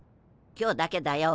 今日だけだよ。